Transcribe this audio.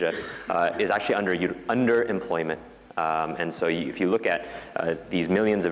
jika kita melihat miliar pengemudi ini mereka bisa mendapatkan banyak uang jika mereka lebih produktif